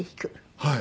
はい。